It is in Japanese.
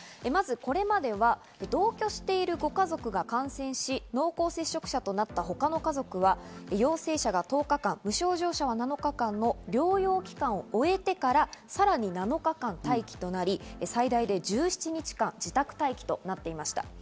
まずこれまでは同居しているご家族が感染し、濃厚接触者となった他の家族は陽性者が１０日間、無症状者は７日間の療養期間を終えてから、さらに７日間待機となり、最大で１７日間自宅待機となっていました。